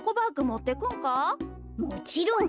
もちろん！